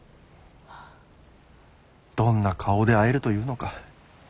どんな顔で会えるというのか。